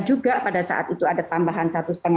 juga pada saat itu ada tambahan